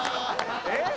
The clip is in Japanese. えっ？